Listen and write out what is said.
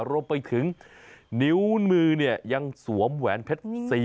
รวมไปถึงนิ้วมือเนี่ยยังสวมแหวนเพชร